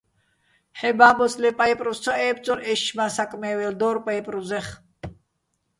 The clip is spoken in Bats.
ჰ̦ე ბაბოს ლე პაჲპრუზ ცო ე́ბწორ - ეშშმაჼ საკმე́ველ დორ პაჲპრუზეხ.